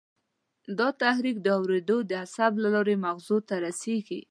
دا تحریک د اورېدو د عصب له لارې مغزو ته رسېږي.